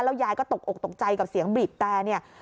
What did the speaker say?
ยายก็ตกอกตกใจกับเสียงบีบแต่เนี่ย